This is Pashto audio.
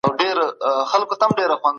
موږ په ښوونځي کي کمپيوټر کاروو.